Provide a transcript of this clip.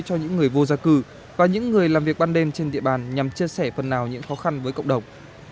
cho những người vô gia cư và những người làm việc ban đêm trên địa bàn nhằm chia sẻ phần nào những khó khăn với cộng đồng